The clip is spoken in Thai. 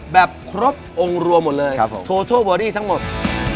แบบครบองค์รวมหมดเลยโททลบอร์ดี้ทั้งหมดครับผม